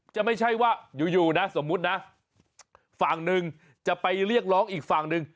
ไม่ใช่ว่าอยู่นะสมมุตินะฝั่งหนึ่งจะไปเรียกร้องอีกฝั่งหนึ่ง